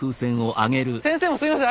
先生もすみません。